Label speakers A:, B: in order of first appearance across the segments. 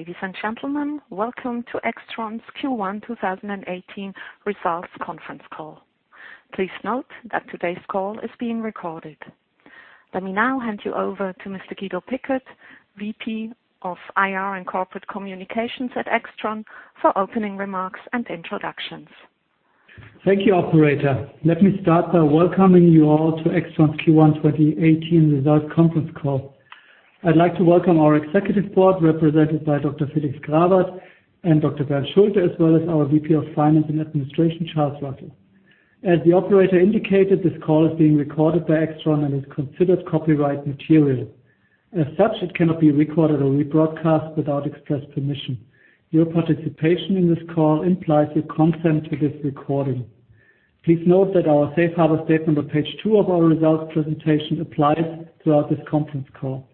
A: Ladies and gentlemen, welcome to AIXTRON's Q1 2018 Results Conference Call. Please note that today's call is being recorded. Let me now hand you over to Mr. Guido Pickert, VP of IR and Corporate Communications at AIXTRON, for opening remarks and introductions.
B: Thank you, operator. Let me start by welcoming you all to AIXTRON's Q1 2018 Results Conference Call. I'd like to welcome our Executive Board, represented by Dr. Felix Grawert and Dr. Bernd Schulte, as well as our VP of Finance and Administration, Charles Russell. As the operator indicated, this call is being recorded by AIXTRON and is considered copyright material. As such, it cannot be recorded or rebroadcast without express permission. Your participation in this call implies your consent to this recording. Please note that our safe harbor statement on page two of our results presentation applies throughout this conference call.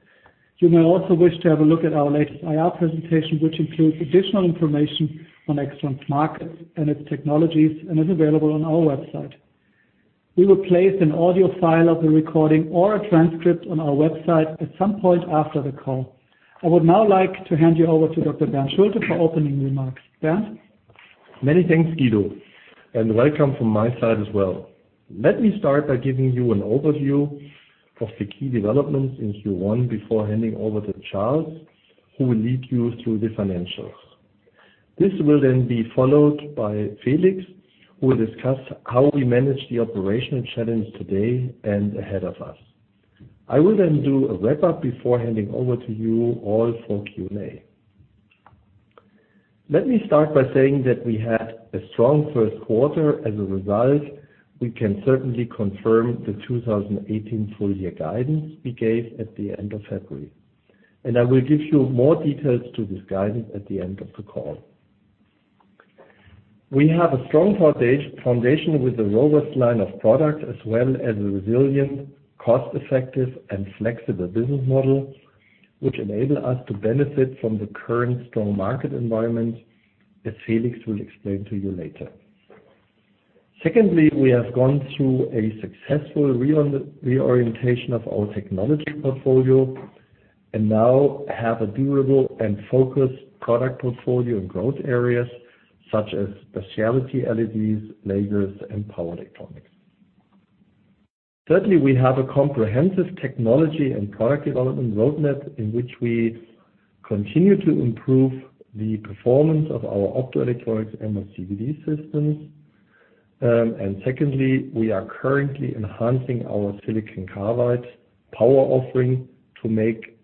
B: You may also wish to have a look at our latest IR presentation, which includes additional information on AIXTRON's markets and its technologies, and is available on our website. We will place an audio file of the recording or a transcript on our website at some point after the call. I would now like to hand you over to Dr. Bernd Schulte for opening remarks. Bernd?
C: Many thanks, Guido, and welcome from my side as well. Let me start by giving you an overview of the key developments in Q1 before handing over to Charles, who will lead you through the financials. This will then be followed by Felix, who will discuss how we manage the operational challenge today and ahead of us. I will then do a wrap-up before handing over to you all for Q&A. Let me start by saying that we had a strong first quarter. As a result, we can certainly confirm the 2018 full-year guidance we gave at the end of February, and I will give you more details to this guidance at the end of the call. We have a strong foundation with a robust line of product as well as a resilient, cost-effective, and flexible business model, which enable us to benefit from the current strong market environment, as Felix will explain to you later. Secondly, we have gone through a successful reorientation of our technology portfolio, and now have a durable and focused product portfolio in growth areas such as specialty LEDs, lasers, and power electronics. Thirdly, we have a comprehensive technology and product development roadmap in which we continue to improve the performance of our optoelectronics MOCVD systems. Secondly, we are currently enhancing our silicon carbide power offering to make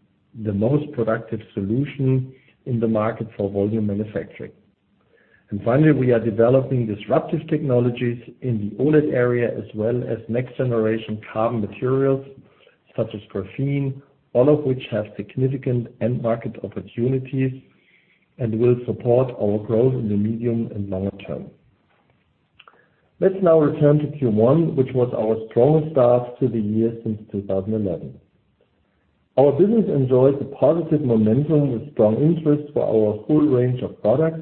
C: the most productive solution in the market for volume manufacturing. Finally, we are developing disruptive technologies in the OLED area, as well as next-generation carbon materials such as graphene, all of which have significant end market opportunities and will support our growth in the medium and longer term. Let's now return to Q1, which was our strongest start to the year since 2011. Our business enjoys a positive momentum with strong interest for our full range of products,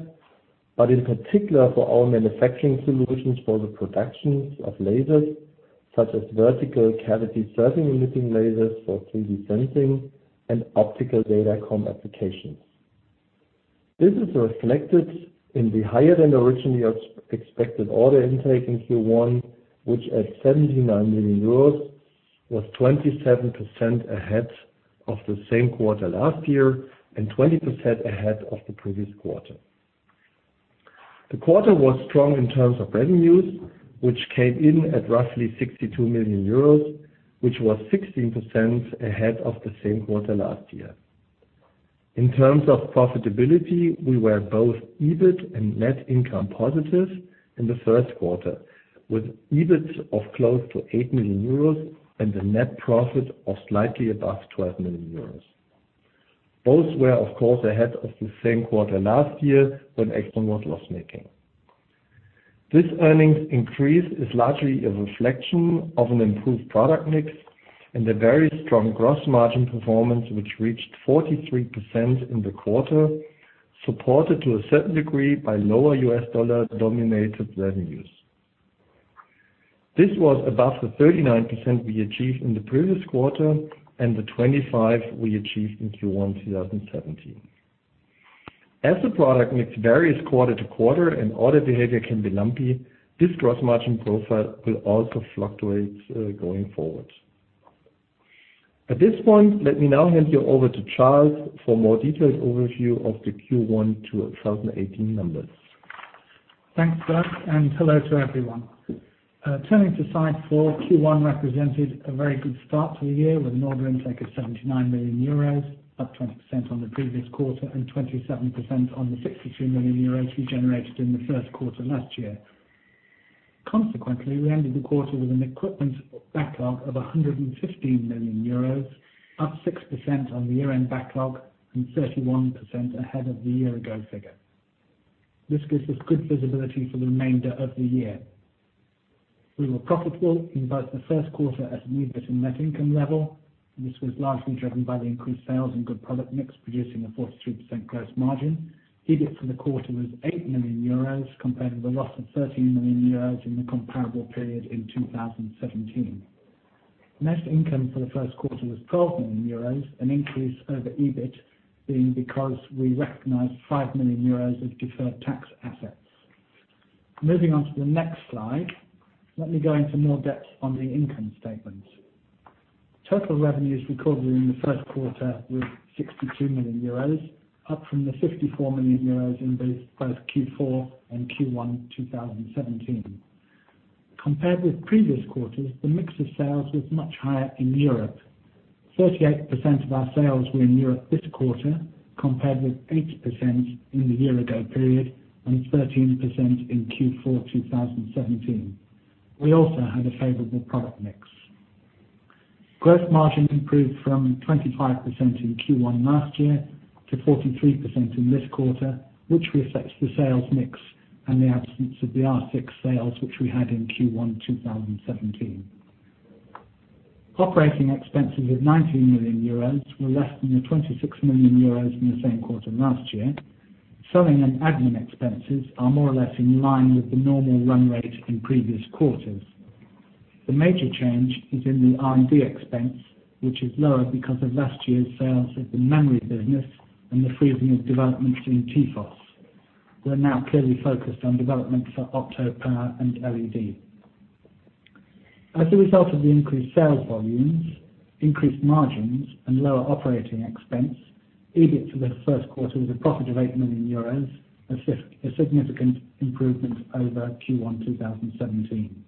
C: but in particular for our manufacturing solutions for the productions of lasers, such as Vertical Cavity Surface Emitting Lasers for 3D sensing and optical datacom applications. This is reflected in the higher-than-originally expected order intake in Q1, which at 79 million euros, was 27% ahead of the same quarter last year, and 20% ahead of the previous quarter. The quarter was strong in terms of revenues, which came in at roughly 62 million euros, which was 16% ahead of the same quarter last year. In terms of profitability, we were both EBIT and net income positive in the first quarter, with EBIT of close to 8 million euros and a net profit of slightly above 12 million euros. Both were, of course, ahead of the same quarter last year, when AIXTRON was loss-making. This earnings increase is largely a reflection of an improved product mix and a very strong gross margin performance, which reached 43% in the quarter, supported to a certain degree by lower US dollar-denominated revenues. This was above the 39% we achieved in the previous quarter, and the 25% we achieved in Q1 2017. As the product mix varies quarter to quarter and order behavior can be lumpy, this gross margin profile will also fluctuate going forward. At this point, let me now hand you over to Charles for a more detailed overview of the Q1 2018 numbers.
D: Thanks, Bernd, and hello to everyone. Turning to slide four, Q1 represented a very good start to the year with an order intake of 79 million euros, up 20% on the previous quarter and 27% on the 62 million euros we generated in the first quarter last year. Consequently, we ended the quarter with an equipment backlog of 115 million euros, up 6% on the year-end backlog and 31% ahead of the year-ago figure. This gives us good visibility for the remainder of the year. We were profitable in both the first quarter at an EBIT and net income level, and this was largely driven by the increased sales and good product mix, producing a 43% gross margin. EBIT for the quarter was 8 million euros, compared to the loss of 13 million euros in the comparable period in 2017. Net income for the first quarter was 12 million euros, an increase over EBIT being because we recognized 5 million euros of deferred tax assets. Moving on to the next slide, let me go into more depth on the income statement. Total revenues recovered in the first quarter was 62 million euros, up from the 54 million euros in both Q4 and Q1 2017. Compared with previous quarters, the mix of sales was much higher in Europe. 38% of our sales were in Europe this quarter, compared with 8% in the year ago period and 13% in Q4 2017. We also had a favorable product mix. Gross margin improved from 25% in Q1 last year to 43% in this quarter, which reflects the sales mix and the absence of the R6 sales which we had in Q1 2017. Operating expenses of 19 million euros were less than the 26 million euros in the same quarter last year. Selling and admin expenses are more or less in line with the normal run rate in previous quarters. The major change is in the R&D expense, which is lower because of last year's sales of the memory business and the freezing of developments in TFOS. We're now clearly focused on developments for Opto, Power, and LED. As a result of the increased sales volumes, increased margins, and lower operating expense, EBIT for the first quarter was a profit of 8 million euros, a significant improvement over Q1 2017.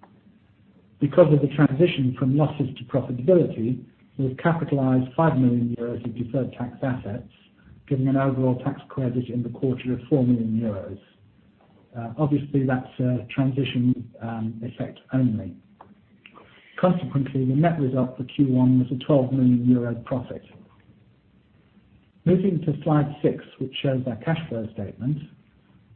D: Because of the transition from losses to profitability, we've capitalized 5 million euros of deferred tax assets, giving an overall tax credit in the quarter of 4 million euros. Obviously, that's a transition effect only. Consequently, the net result for Q1 was a 12 million euro profit. Moving to slide six, which shows our cash flow statement.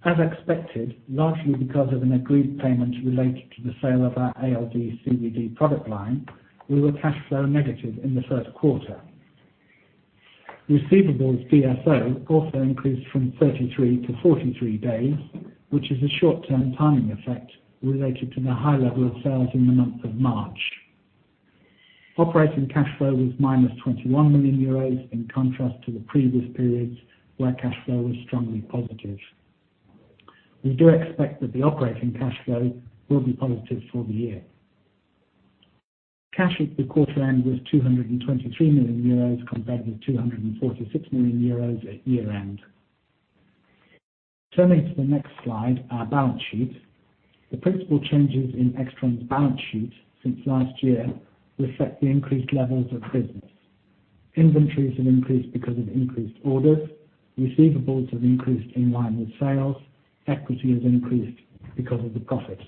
D: As expected, largely because of an agreed payment related to the sale of our ALD/CVD product line, we were cash flow negative in the first quarter. Receivables DSO also increased from 33 to 43 days, which is a short-term timing effect related to the high level of sales in the month of March. Operating cash flow was minus 21 million euros, in contrast to the previous periods where cash flow was strongly positive. We do expect that the operating cash flow will be positive for the year. Cash at the quarter end was 223 million euros, compared with 246 million euros at year-end. Turning to the next slide, our balance sheet. The principal changes in AIXTRON's balance sheet since last year reflect the increased levels of business. Inventories have increased because of increased orders. Receivables have increased in line with sales. Equity has increased because of the profit.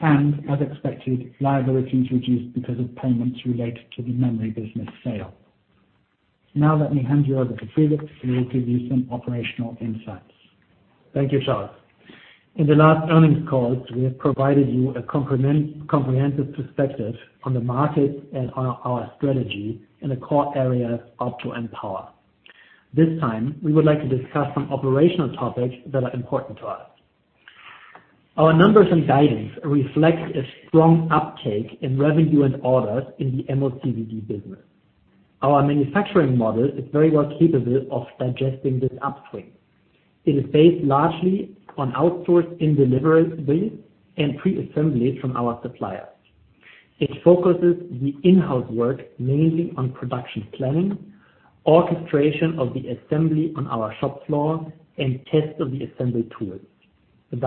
D: As expected, liabilities reduced because of payments related to the memory business sale. Let me hand you over to Felix who will give you some operational insights.
E: Thank you, Charles. In the last earnings calls, we have provided you a comprehensive perspective on the market and on our strategy in the core areas Opto and Power. This time, we would like to discuss some operational topics that are important to us. Our numbers and guidance reflects a strong uptake in revenue and orders in the MOCVD business. Our manufacturing model is very well capable of digesting this upswing. It is based largely on outsourced in-deliverables and pre-assemblies from our suppliers. It focuses the in-house work mainly on production planning, orchestration of the assembly on our shop floor, and test of the assembly tools. With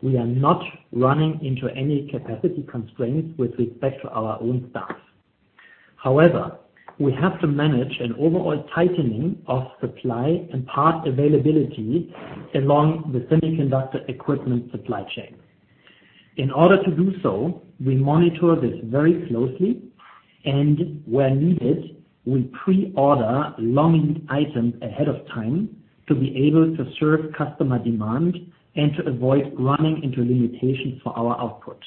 E: that, we are not running into any capacity constraints with respect to our own staff. However, we have to manage an overall tightening of supply and part availability along the semiconductor equipment supply chain. In order to do so, we monitor this very closely and where needed, we pre-order long lead items ahead of time to be able to serve customer demand and to avoid running into limitations for our output.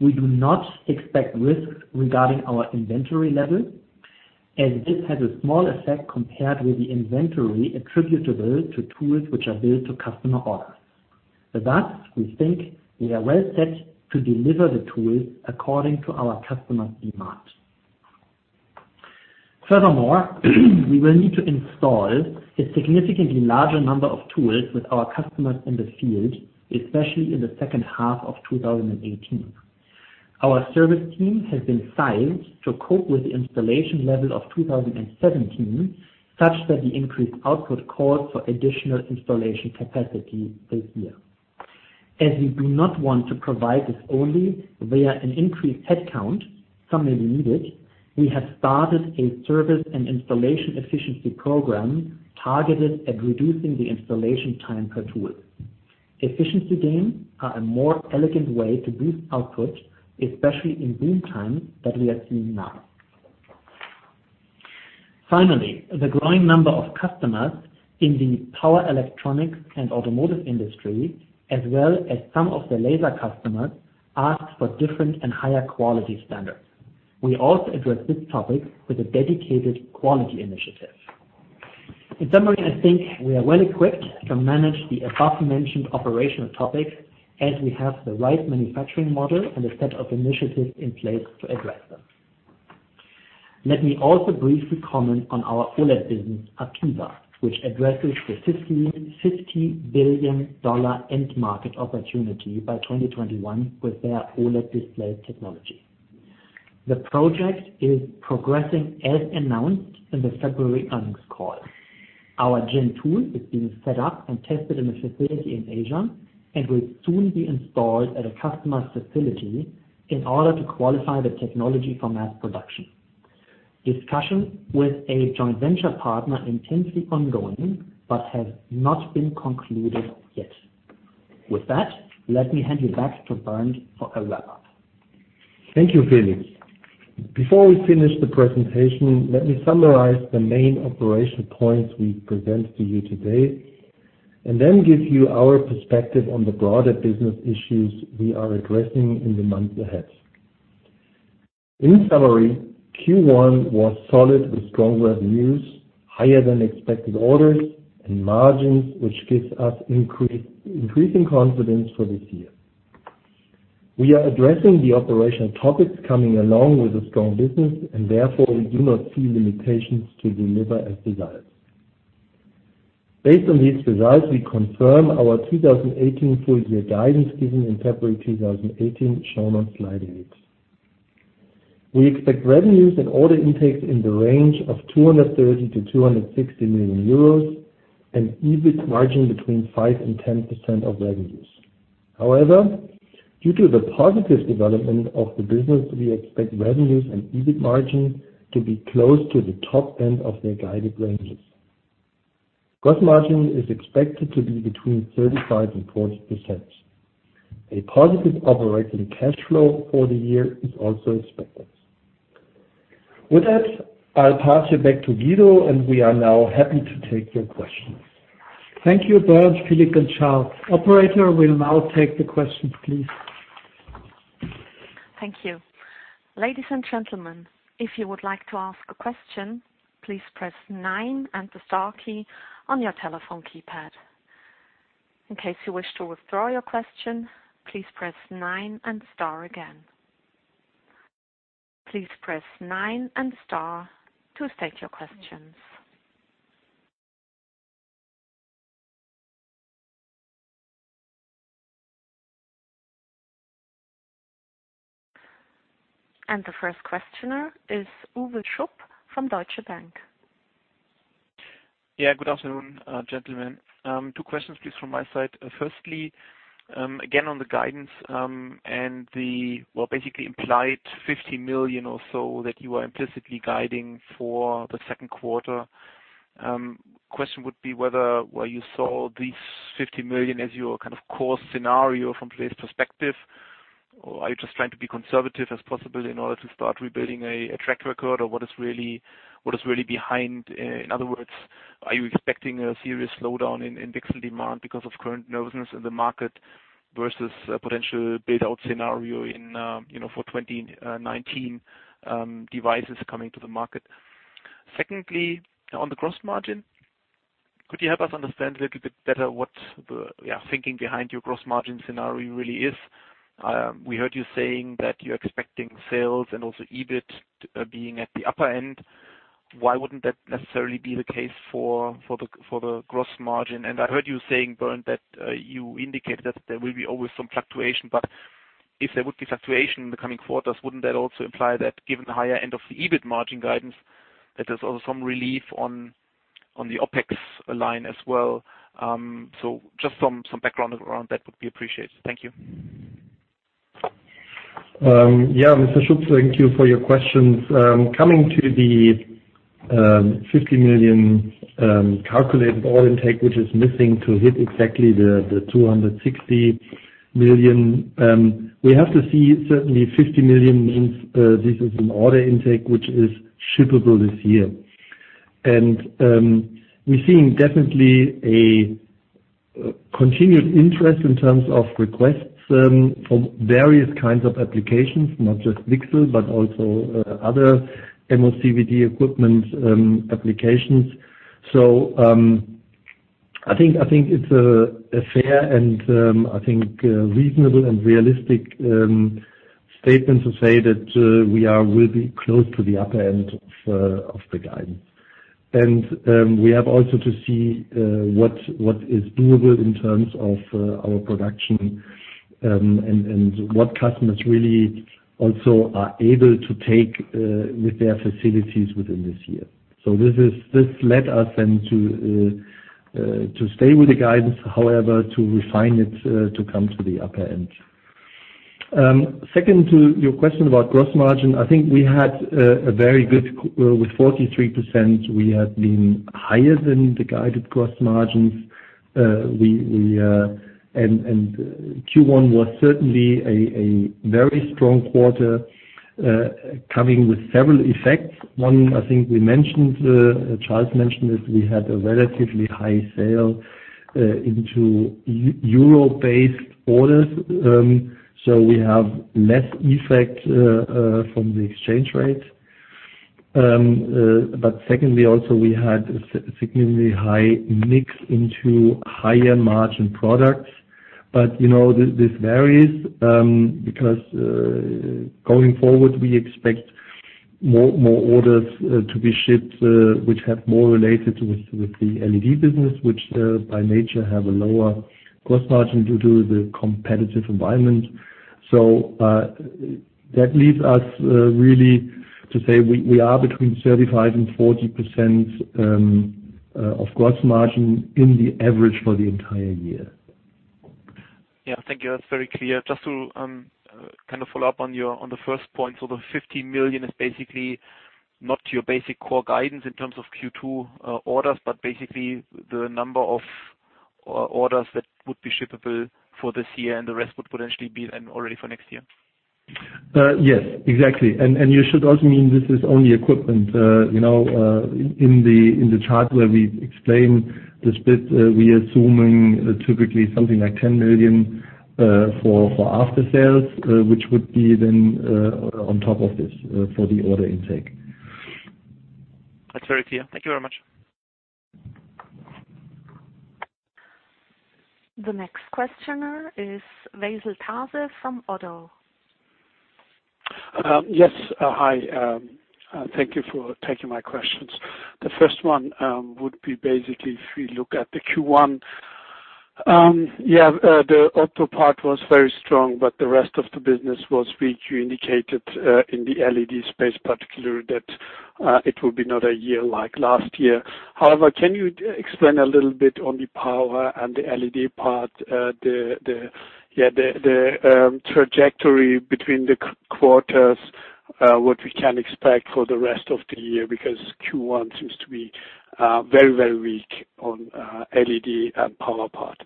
E: We do not expect risks regarding our inventory level, as this has a small effect compared with the inventory attributable to tools which are built to customer orders. With that, we think we are well set to deliver the tools according to our customers' demand. Furthermore, we will need to install a significantly larger number of tools with our customers in the field, especially in the second half of 2018. Our service team has been sized to cope with the installation level of 2017, such that the increased output calls for additional installation capacity this year. As we do not want to provide this only via an increased headcount, some may be needed, we have started a service and installation efficiency program targeted at reducing the installation time per tool. Efficiency gains are a more elegant way to boost output, especially in boom times that we are seeing now. Finally, the growing number of customers in the power electronics and automotive industry, as well as some of the laser customers, ask for different and higher quality standards. We also address this topic with a dedicated quality initiative. In summary, I think we are well-equipped to manage the above-mentioned operational topics as we have the right manufacturing model and a set of initiatives in place to address them. Let me also briefly comment on our OLED business, APEVA, which addresses the EUR 15 billion end market opportunity by 2021 with their OLED display technology. The project is progressing as announced in the February earnings call. Our Gen2 is being set up and tested in a facility in Asia and will soon be installed at a customer's facility in order to qualify the technology for mass production. Discussion with a joint venture partner intensely ongoing but has not been concluded yet. With that, let me hand you back to Bernd for a wrap-up.
C: Thank you, Philipp. Before we finish the presentation, let me summarize the main operational points we presented to you today. Then give you our perspective on the broader business issues we are addressing in the months ahead. In summary, Q1 was solid with strong revenues, higher than expected orders and margins, which gives us increasing confidence for this year. We are addressing the operational topics coming along with a strong business. Therefore, we do not see limitations to deliver as desired. Based on these results, we confirm our 2018 full year guidance given in February 2018, shown on slide eight. We expect revenues and order intakes in the range of 230 million-260 million euros, and EBIT margin between 5% and 10% of revenues. Due to the positive development of the business, we expect revenues and EBIT margin to be close to the top end of their guided ranges. Gross margin is expected to be between 35% and 40%. A positive operating cash flow for the year is also expected. With that, I'll pass you back to Guido. We are now happy to take your questions.
B: Thank you, Bernd, Philipp, and Charles. Operator, we'll now take the questions, please.
A: Thank you. Ladies and gentlemen, if you would like to ask a question, please press Nine and the Star key on your telephone keypad. In case you wish to withdraw your question, please press Nine and Star again. Please press Nine and Star to state your questions. The first questioner is Uwe Schupp from Deutsche Bank.
F: Good afternoon, gentlemen. Two questions, please, from my side. Firstly, again, on the guidance, and the, well, basically implied 50 million or so that you are implicitly guiding for the second quarter. Question would be whether you saw these 50 million as your core scenario from place perspective, or are you just trying to be conservative as possible in order to start rebuilding a track record? Or what is really behind? In other words, are you expecting a serious slowdown in VCSEL demand because of current nervousness in the market versus a potential build-out scenario for 2019 devices coming to the market? Secondly, on the gross margin, could you help us understand a little bit better what the thinking behind your gross margin scenario really is? We heard you saying that you're expecting sales and also EBIT being at the upper end. Why wouldn't that necessarily be the case for the gross margin? I heard you saying, Bernd, that you indicated that there will be always some fluctuation, but if there would be fluctuation in the coming quarters, wouldn't that also imply that given the higher end of the EBIT margin guidance, that there's also some relief on the OpEx line as well? Just some background around that would be appreciated. Thank you.
C: Mr. Schupp, thank you for your questions. Coming to the 50 million calculated order intake, which is missing to hit exactly the 260 million. We have to see certainly 50 million means this is an order intake which is shippable this year. We're seeing definitely a continued interest in terms of requests from various kinds of applications, not just VCSEL, but also other MOCVD equipment applications. I think it's a fair and reasonable and realistic statement to say that we will be close to the upper end of the guidance. We have also to see what is doable in terms of our production and what customers really also are able to take with their facilities within this year. This led us then to stay with the guidance, however, to refine it to come to the upper end. Second to your question about gross margin, I think we had a very good quarter with 43%. We had been higher than the guided gross margins. Q1 was certainly a very strong quarter, coming with several effects. One, I think Charles mentioned, is we had a relatively high sale into EUR-based orders. We have less effect from the exchange rate. Secondly, also we had a significantly high mix into higher margin products. This varies, because going forward, we expect more orders to be shipped, which have more related with the LED business, which by nature have a lower gross margin due to the competitive environment. That leaves us really to say we are between 35% and 40% of gross margin in the average for the entire year.
F: Thank you. That's very clear. Just to kind of follow up on the first point. The 50 million is basically not your basic core guidance in terms of Q2 orders, but basically the number of orders that would be shippable for this year and the rest would potentially be then already for next year.
C: Yes, exactly. You should also mean this is only equipment. In the chart where we explain the split, we are assuming typically something like 10 million for after sales, which would be then on top of this for the order intake.
F: That's very clear. Thank you very much.
A: The next questioner is Veysel Taze from ODDO BHF.
G: Yes. Hi, thank you for taking my questions. The first one would be basically if we look at the Q1. The auto part was very strong, the rest of the business was weak. You indicated in the LED space particularly that it will be not a year like last year. Can you explain a little bit on the power and the LED part, the trajectory between the quarters what we can expect for the rest of the year? Q1 seems to be very weak on LED and power part.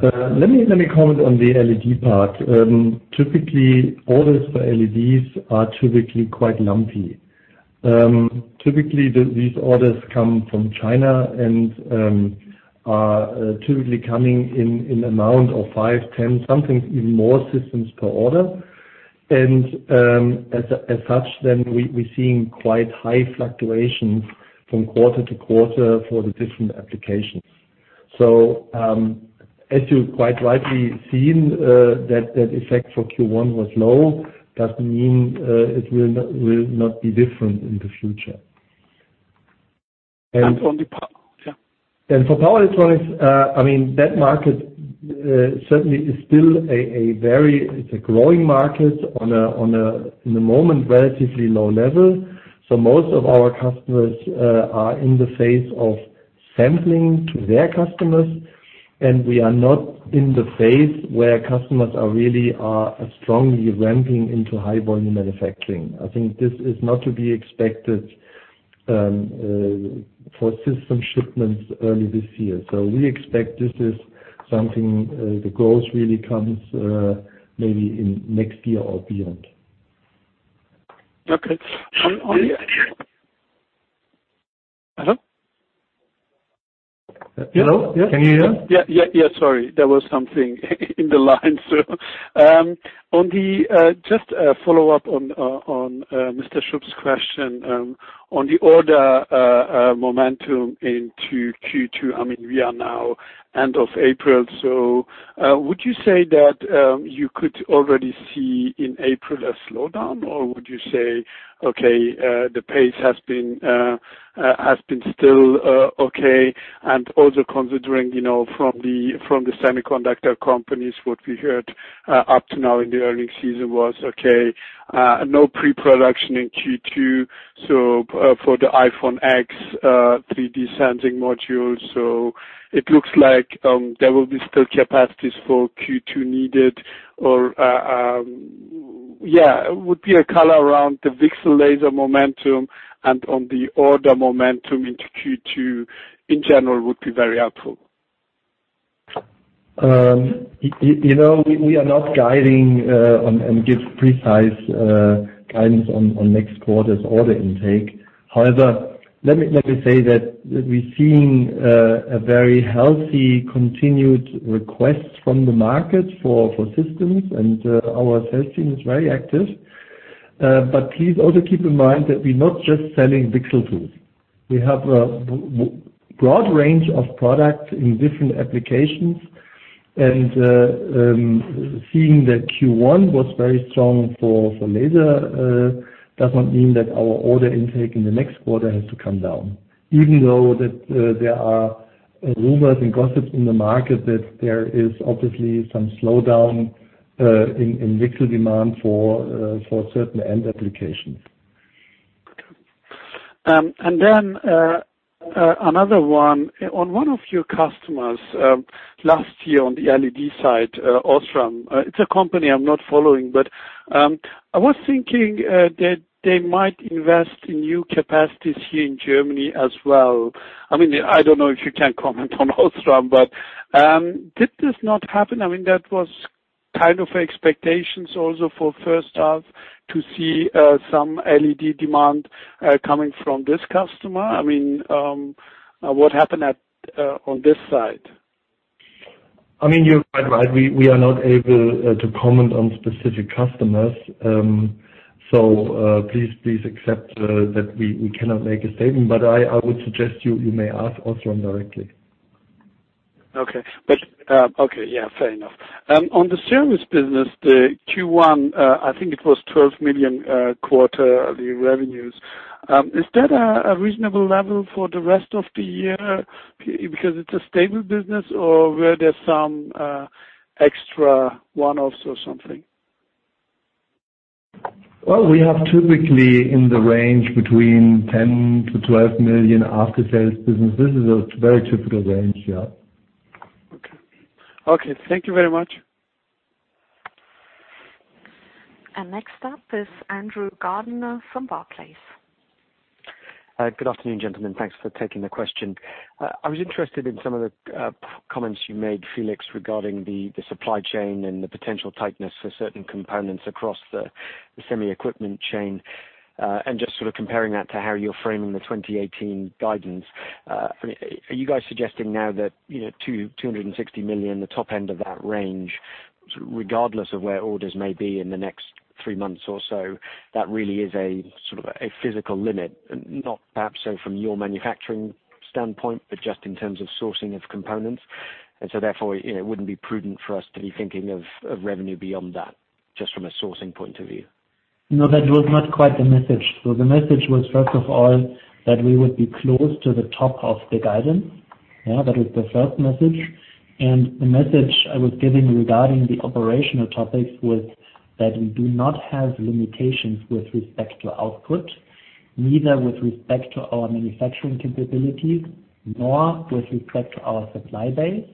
C: Let me comment on the LED part. Orders for LEDs are typically quite lumpy. Typically, these orders come from China and are typically coming in amount of five, 10, sometimes even more systems per order. As such, we're seeing quite high fluctuations from quarter to quarter for the different applications. As you quite rightly seen that effect for Q1 was low, doesn't mean it will not be different in the future.
G: On the power? Yeah.
C: For power electronics, that market certainly is still a very growing market in the moment, relatively low level. Most of our customers are in the phase of sampling to their customers, and we are not in the phase where customers are really strongly ramping into high volume manufacturing. I think this is not to be expected for system shipments early this year. We expect this is something, the growth really comes maybe in next year or beyond.
G: Okay. On the. Hello?
C: Hello. Can you hear me?
G: Yeah, sorry. There was something in the line. Just a follow-up on Mr. Schupp's question on the order momentum into Q2. We are now end of April, would you say that you could already see in April a slowdown or would you say, okay, the pace has been still okay? Also considering, from the semiconductor companies, what we heard up to now in the earning season was okay. No pre-production in Q2 for the iPhone X 3D sensing module. It looks like there will be still capacities for Q2 needed or. Would be a color around the VCSEL laser momentum and on the order momentum into Q2 in general would be very helpful.
C: We are not guiding and give precise guidance on next quarter's order intake. Let me say that we're seeing a very healthy continued requests from the market for systems and our sales team is very active. Please also keep in mind that we're not just selling VCSEL tools. We have a broad range of products in different applications. Seeing that Q1 was very strong for laser does not mean that our order intake in the next quarter has to come down, even though there are rumors and gossips in the market that there is obviously some slowdown in VCSEL demand for certain end applications.
G: Okay. Another one. On one of your customers, last year on the LED side, OSRAM. It's a company I'm not following, but I was thinking that they might invest in new capacities here in Germany as well. I don't know if you can comment on OSRAM, did this not happen? That was Kind of expectations also for first half to see some LED demand coming from this customer. What happened on this side?
C: You're quite right. We are not able to comment on specific customers. Please accept that we cannot make a statement, I would suggest you may ask OSRAM directly.
G: Okay. Fair enough. On the service business, the Q1, I think it was 12 million quarterly revenues. Is that a reasonable level for the rest of the year, because it's a stable business or were there some extra one-offs or something?
C: Well, we have typically in the range between 10 million to 12 million after-sales business. This is a very typical range. Yeah.
G: Okay. Thank you very much.
A: Next up is Andrew Gardiner from Barclays.
H: Good afternoon, gentlemen. Thanks for taking the question. I was interested in some of the comments you made, Felix, regarding the supply chain and the potential tightness for certain components across the semi equipment chain, comparing that to how you're framing the 2018 guidance. Are you guys suggesting now that, 260 million, the top end of that range, regardless of where orders may be in the next three months or so, that really is a physical limit, not perhaps so from your manufacturing standpoint, but just in terms of sourcing of components? Therefore, it wouldn't be prudent for us to be thinking of revenue beyond that, just from a sourcing point of view.
E: No, that was not quite the message. The message was, first of all, that we would be close to the top of the guidance. That was the first message. The message I was giving regarding the operational topics was that we do not have limitations with respect to output, neither with respect to our manufacturing capabilities, nor with respect to our supply base,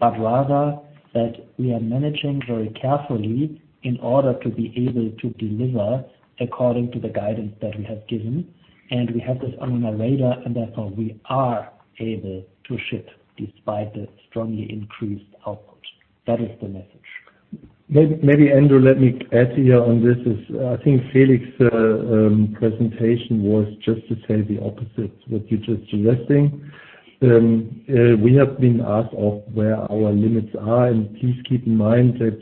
E: but rather that we are managing very carefully in order to be able to deliver according to the guidance that we have given. We have this on our radar, and therefore we are able to ship despite the strongly increased output. That is the message.
C: Maybe, Andrew, let me add here on this is, I think Felix's presentation was just to say the opposite to what you're just suggesting. We have been asked of where our limits are, and please keep in mind that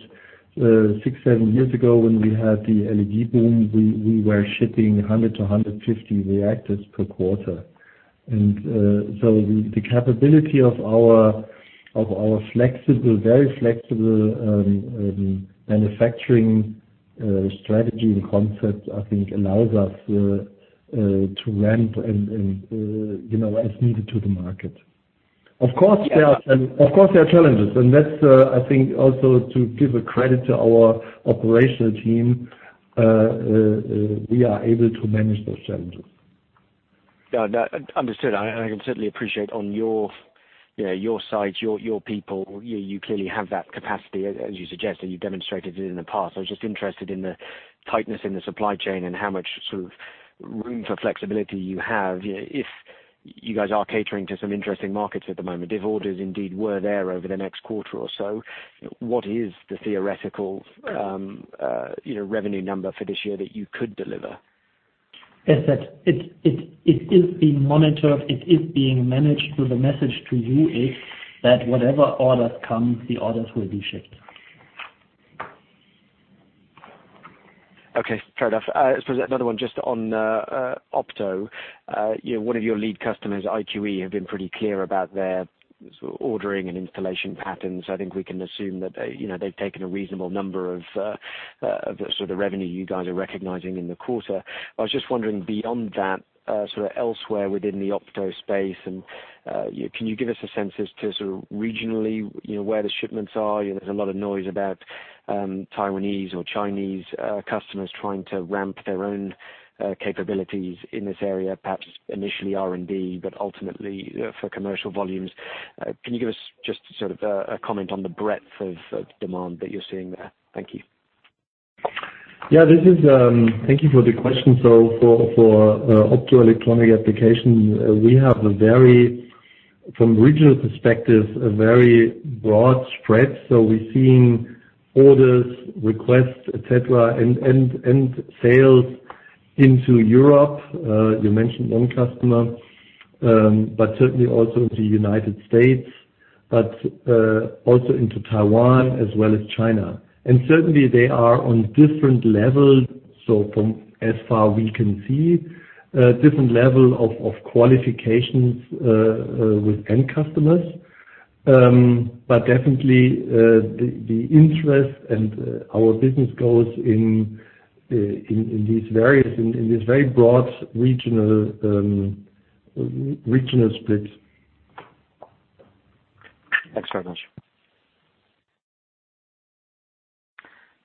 C: six, seven years ago, when we had the LED boom, we were shipping 100 to 150 reactors per quarter. The capability of our very flexible manufacturing strategy and concept, I think allows us to ramp as needed to the market. Of course there are challenges, and that's, I think, also to give a credit to our operational team, we are able to manage those challenges.
H: Understood. I can certainly appreciate on your side, your people, you clearly have that capacity, as you suggest, and you've demonstrated it in the past. I was just interested in the tightness in the supply chain and how much sort of room for flexibility you have. If you guys are catering to some interesting markets at the moment, if orders indeed were there over the next quarter or so, what is the theoretical revenue number for this year that you could deliver?
E: It is being monitored. It is being managed. The message to you is that whatever orders comes, the orders will be shipped.
H: Okay. Fair enough. I suppose another one just on Opto. One of your lead customers, IQE, have been pretty clear about their sort of ordering and installation patterns. I think we can assume that they've taken a reasonable number of the sort of revenue you guys are recognizing in the quarter. I was just wondering, beyond that, sort of elsewhere within the Opto space, can you give us a sense to sort of regionally where the shipments are? There's a lot of noise about Taiwanese or Chinese customers trying to ramp their own capabilities in this area, perhaps initially R&D, but ultimately for commercial volumes. Can you give us just sort of a comment on the breadth of demand that you're seeing there? Thank you.
C: Thank you for the question. For Optoelectronic application, we have, from regional perspective, a very broad spread. We're seeing orders, requests, et cetera, and sales into Europe. You mentioned one customer, but certainly also into United States, but also into Taiwan as well as China. Certainly they are on different level. From as far we can see, different level of qualifications with end customers. Definitely, the interest and our business goes in this very broad regional split.
H: Thanks very much.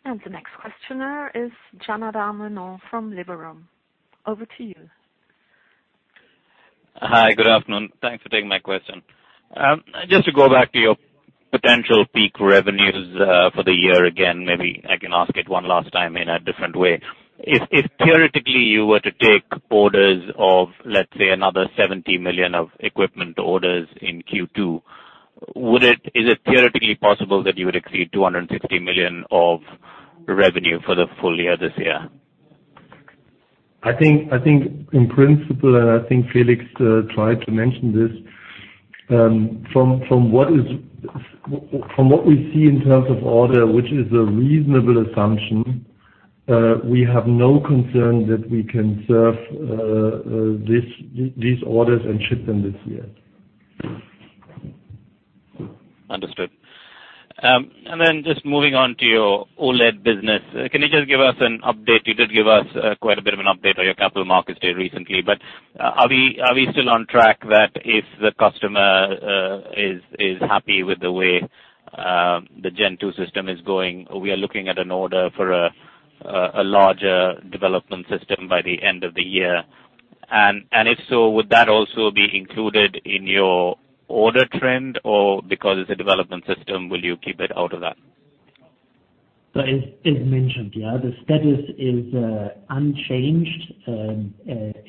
A: The next questioner is Jan Adam Renaut from Liberum. Over to you.
I: Hi. Good afternoon. Thanks for taking my question. Just to go back to your potential peak revenues for the year again, maybe I can ask it one last time in a different way. If theoretically you were to take orders of, let's say, another 70 million of equipment orders in Q2, is it theoretically possible that you would exceed 260 million of revenue for the full year this year?
C: I think in principle, and I think Felix tried to mention this, from what we see in terms of order, which is a reasonable assumption, we have no concern that we can serve these orders and ship them this year.
I: Understood. Just moving on to your OLED business. Can you just give us an update? You did give us quite a bit of an update on your Capital Markets Day recently, are we still on track that if the customer is happy with the way the Gen2 system is going, we are looking at an order for a larger development system by the end of the year? If so, would that also be included in your order trend? Because it's a development system, will you keep it out of that?
E: As mentioned, yeah. The status is unchanged,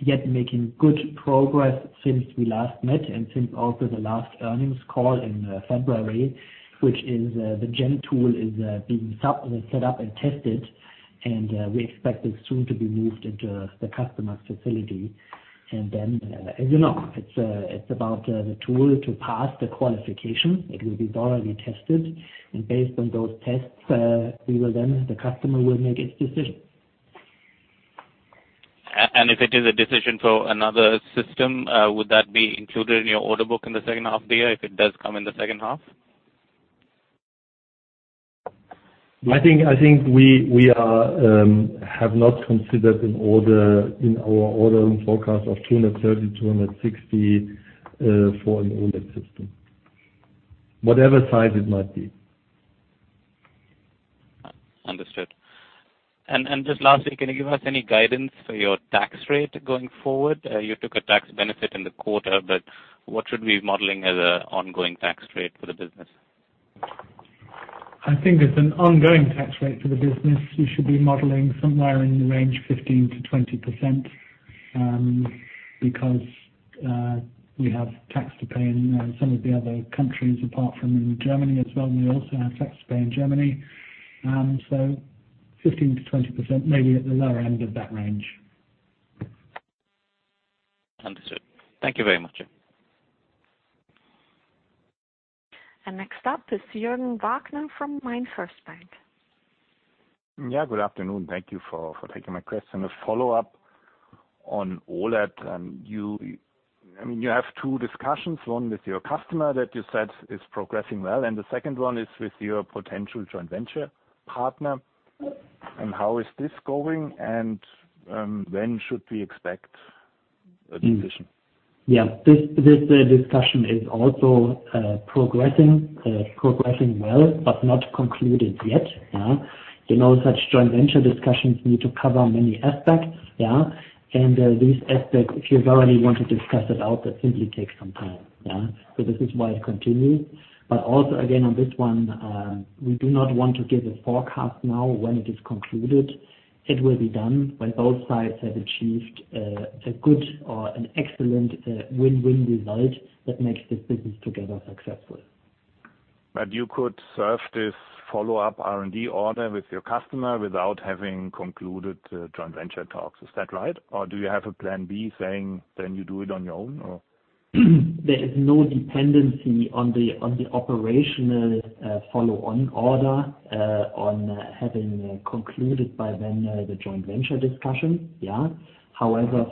E: yet making good progress since we last met and since also the last earnings call in February, which is the Gen2 tool is being set up and tested, we expect it soon to be moved into the customer's facility. As you know, it's about the tool to pass the qualification. It will be thoroughly tested. Based on those tests, the customer will make its decision.
I: If it is a decision for another system, would that be included in your order book in the second half of the year, if it does come in the second half?
C: I think we have not considered an order in our ordering forecast of 230 million-260 million for an OLED system. Whatever size it might be.
I: Understood. Just lastly, can you give us any guidance for your tax rate going forward? You took a tax benefit in the quarter, but what should we be modeling as an ongoing tax rate for the business?
D: I think as an ongoing tax rate for the business, you should be modeling somewhere in the range 15%-20%, because we have tax to pay in some of the other countries apart from in Germany as well, and we also have tax to pay in Germany. 15%-20%, maybe at the lower end of that range.
I: Understood. Thank you very much.
A: Next up is Jürgen Wagner from Mainfirst Bank.
J: Good afternoon. Thank you for taking my question. A follow-up on all that. You have two discussions, one with your customer that you said is progressing well, and the second one is with your potential joint venture partner. How is this going, and when should we expect a decision?
E: This discussion is also progressing well, but not concluded yet. Such joint venture discussions need to cover many aspects. These aspects, if you thoroughly want to discuss it out, that simply takes some time. This is why it continues. Also, again, on this one, we do not want to give a forecast now when it is concluded. It will be done when both sides have achieved a good or an excellent win-win result that makes this business together successful.
J: You could serve this follow-up R&D order with your customer without having concluded joint venture talks. Is that right? Do you have a plan B saying, then you do it on your own?
E: There is no dependency on the operational follow-on order, on having concluded by then the joint venture discussion. Yeah. However,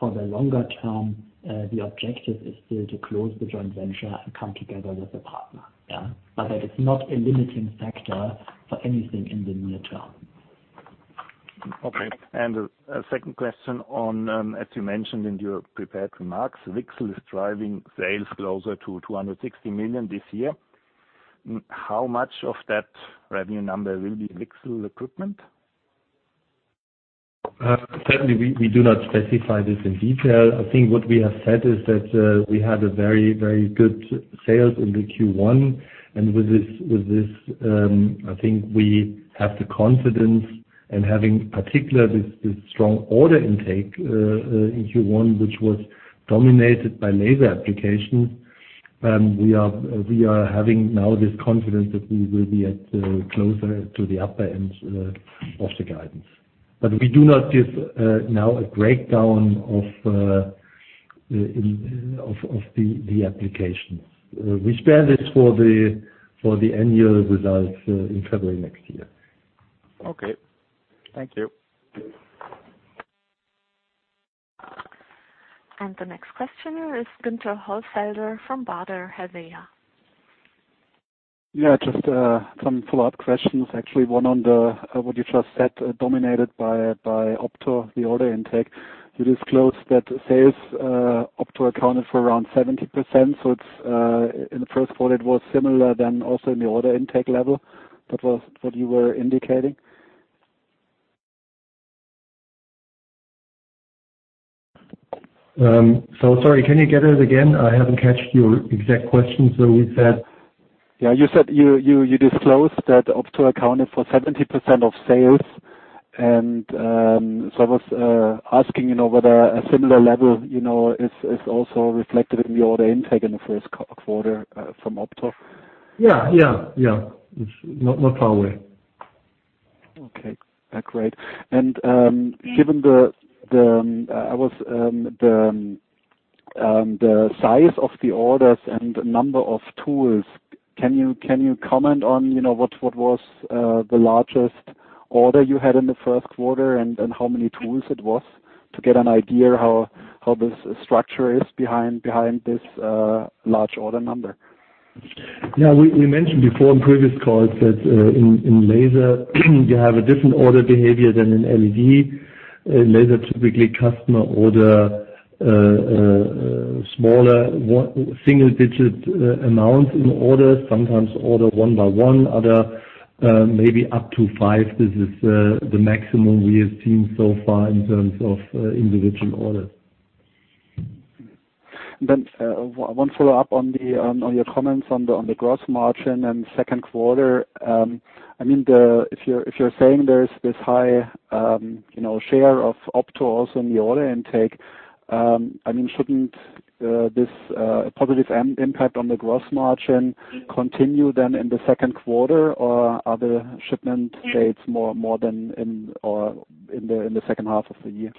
E: for the longer term, the objective is still to close the joint venture and come together with a partner. Yeah. That is not a limiting factor for anything in the near term.
J: Okay. A second question on, as you mentioned in your prepared remarks, VCSEL is driving sales closer to 260 million this year. How much of that revenue number will be VCSEL equipment?
C: Certainly, we do not specify this in detail. I think what we have said is that we had a very good sales in the Q1, and with this, I think we have the confidence in having particularly this strong order intake in Q1, which was dominated by laser applications. We are having now this confidence that we will be at closer to the upper end of the guidance. We do not give now a breakdown of the applications. We spare this for the annual results in February next year.
J: Okay. Thank you.
A: The next questioner is Guenther Hollfelder from Baader Helvea.
K: Yeah, just some follow-up questions. Actually, one on what you just said, dominated by Opto, the order intake. You disclosed that sales Opto accounted for around 70%, it's in the first quarter, it was similar then also in the order intake level. That was what you were indicating.
C: Sorry, can you get it again? I haven't catched your exact question. You said?
K: Yeah, you said you disclosed that Opto accounted for 70% of sales, so I was asking whether a similar level is also reflected in the order intake in the first quarter from Opto.
C: Yeah. It's not far away.
K: Okay. Great. Given the size of the orders and number of tools, can you comment on what was the largest order you had in the first quarter and how many tools it was? To get an idea how this structure is behind this large order number.
C: Yeah. We mentioned before in previous calls that in laser you have a different order behavior than in LED. Laser typically customer order smaller, single-digit amount in orders, sometimes order one by one, other maybe up to five. This is the maximum we have seen so far in terms of individual orders.
K: One follow-up on your comments on the gross margin and second quarter. If you're saying there's this high share of Opto in the order intake, shouldn't this positive impact on the gross margin continue in the second quarter or other shipment dates more than in the second half of the year?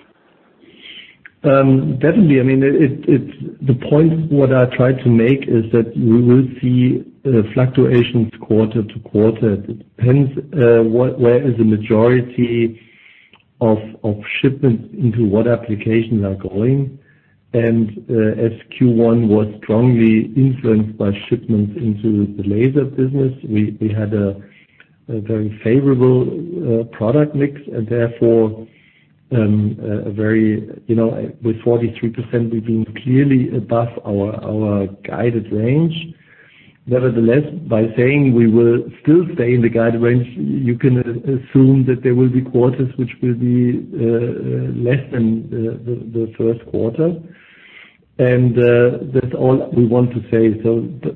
C: Definitely. The point what I try to make is that we will see fluctuations quarter to quarter. It depends where is the majority of shipments into what applications are going. As Q1 was strongly influenced by shipments into the laser business, we had a very favorable product mix and therefore with 43% we're being clearly above our guided range. Nevertheless, by saying we will still stay in the guide range, you can assume that there will be quarters which will be less than the first quarter. That's all we want to say.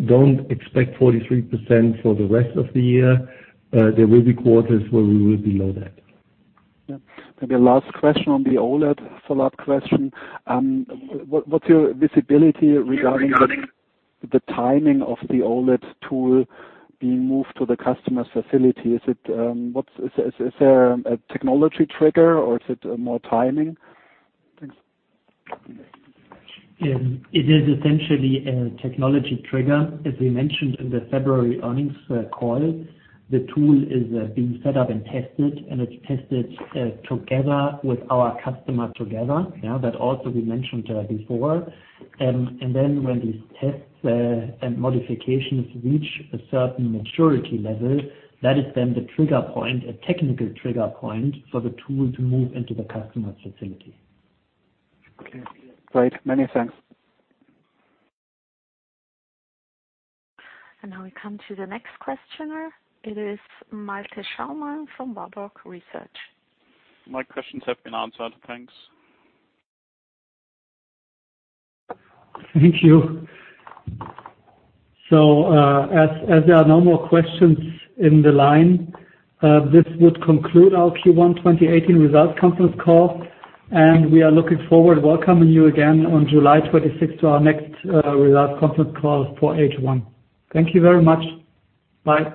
C: Don't expect 43% for the rest of the year. There will be quarters where we will be below that.
K: Yeah. Maybe a last question on the OLED follow-up question. What's your visibility regarding the timing of the OLED tool being moved to the customer's facility? Is there a technology trigger or is it more timing? Thanks.
E: It is essentially a technology trigger. As we mentioned in the February earnings call, the tool is being set up and tested, and it's tested together with our customer together. That also we mentioned before. When these tests and modifications reach a certain maturity level, that is then the trigger point, a technical trigger point for the tool to move into the customer facility.
K: Okay, great. Many thanks.
A: Now we come to the next questioner. It is Malte Schaumann from Warburg Research.
L: My questions have been answered. Thanks.
C: Thank you. As there are no more questions in the line, this would conclude our Q1 2018 results conference call, and we are looking forward welcoming you again on July 26th to our next results conference call for H1. Thank you very much. Bye.